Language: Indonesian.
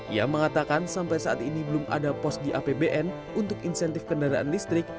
ia mengatakan sampai saat ini belum ada pos di apbn untuk insentif kendaraan listrik